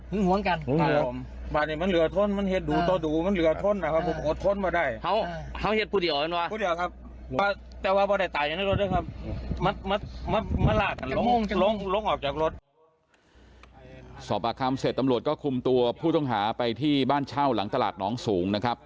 มัดมัดมัดมัดหลากลงลงลงออกจากรถสอบอาคารเมื่อเสร็จตำรวจก็คุมตัวผู้ต้องหาไปที่บ้านเช่าหลังตลาดน้องสูงนะครับ